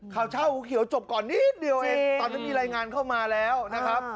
ข่าวเช้าหัวเขียวจบก่อนนิดเดียวเองตอนนั้นมีรายงานเข้ามาแล้วนะครับ